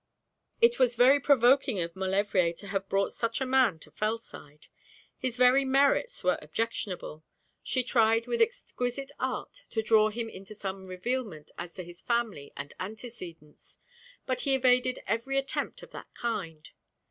It was very provoking of Maulevrier to have brought such a man to Fellside. His very merits were objectionable. She tried with exquisite art to draw him into some revealment as to his family and antecedents: but he evaded every attempt of that kind.